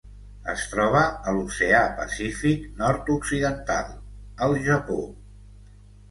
Es troba a l'Oceà Pacífic nord-occidental: el Japó.